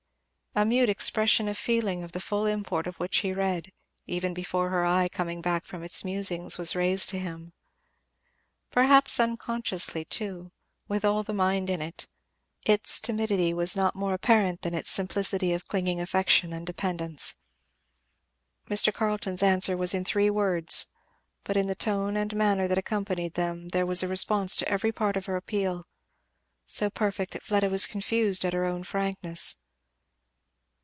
A mute expression of feeling the full import of which he read, even before her eye coming back from its musings was raised to him, perhaps unconsciously too, with all the mind in it; its timidity was not more apparent than its simplicity of clinging affection and dependence. Mr. Carleton's answer was in three words, but in the tone and manner that accompanied them there was a response to every part of her appeal; so perfect that Fleda was confused at her own frankness.